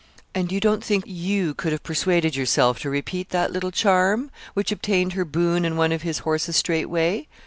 'And you don't think you could have persuaded yourself to repeat that little charm, which obtained her boon and one of his horses straightway?'